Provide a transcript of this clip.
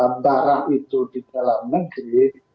barang itu di dalam negeri